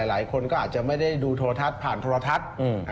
หลายคนก็อาจจะไม่ได้ดูโทรทัศน์ผ่านโทรทัศน์